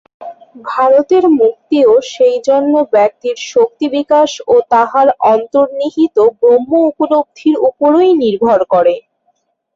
ভারতের মুক্তিও সেইজন্য ব্যক্তির শক্তি-বিকাশ ও তাহার অন্তর্নিহিত ব্রহ্ম-উপলব্ধির উপরই নির্ভর করে।